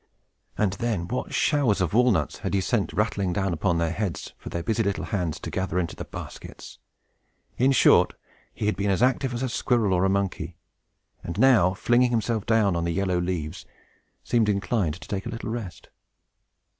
And then, what showers of walnuts had he sent rattling down upon their heads, for their busy little hands to gather into the baskets! In short, he had been as active as a squirrel or a monkey, and now, flinging himself down on the yellow leaves, seemed inclined to take a little rest.